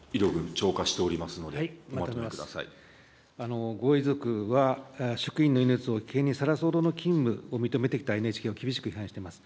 超過しておりますので、ご遺族は、職員の命を危険にさらすほどの勤務を認めてきたＮＨＫを厳しく批判しています。